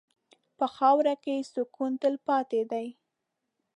په خاوره کې سکون تلپاتې دی.